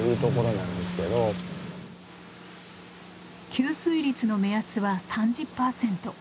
吸水率の目安は３０％。